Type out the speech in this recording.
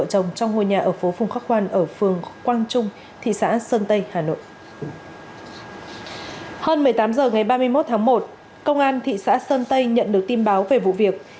hơn một mươi tám h ngày ba mươi một tháng một công an thị xã sơn tây nhận được tin báo về vụ việc